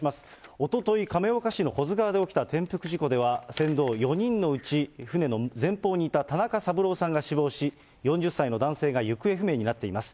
おととい、亀岡市の保津川で起きた転覆事故では、船頭４人のうち舟の前方にいた田中三郎さんが死亡し、４０歳の男性が行方不明になっています。